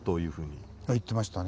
言ってましたね。